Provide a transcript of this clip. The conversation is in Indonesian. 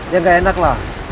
yang ga enak lah